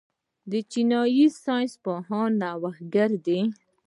چینايي ساینس پوهان نوښتګر دي.